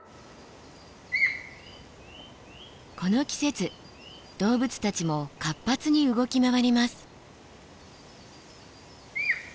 この季節動物たちも活発に動き回ります。